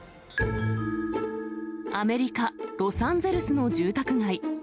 アメリカ・ロサンゼルスの住宅街。